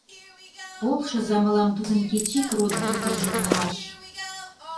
Полшыза мылам тудын кеч ик родо-тукымжым муаш.